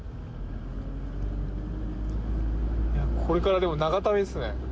これから長旅ですね。